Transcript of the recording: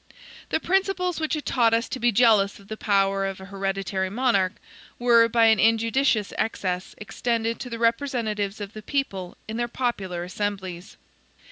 The principles which had taught us to be jealous of the power of an hereditary monarch were by an injudicious excess extended to the representatives of the people in their popular assemblies.